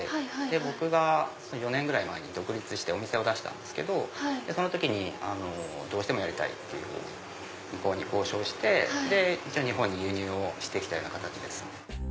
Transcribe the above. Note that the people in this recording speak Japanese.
僕が４年ぐらい前に独立してお店を出したんですけどその時にどうしてもやりたいって向こうに交渉して日本に輸入をして来た形ですね。